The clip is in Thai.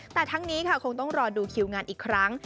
แต่ทั้งนี้ค่ะคงต้องรอดูคิวงานอีกครั้ง